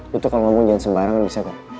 lo tuh kalau ngomong jangan sembarangan bisa kok